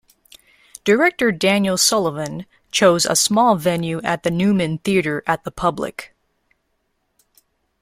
Director Daniel Sullivan chose a small venue at the Newman Theater at the Public.